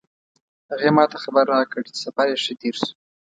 هغې ما ته خبر راکړ چې سفر یې ښه تیر شو